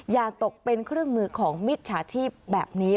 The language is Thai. อย่าตกเป็นเครื่องมือของมิจฉาชีพแบบนี้